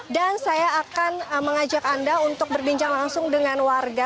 dan saya akan mengajak anda untuk berbincang langsung dengan warga